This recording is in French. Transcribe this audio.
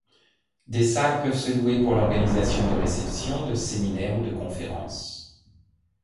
Des salles peuvent se louer pour l'organisation de réceptions, de séminaires ou de conférences.